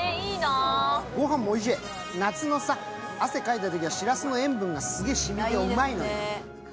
ごはんもおいしい、夏の汗かいたときはさ、しらすの塩分がすげえ染みてうまいのよ。